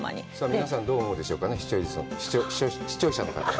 皆さん、どう思うでしょうか、視聴者の方は。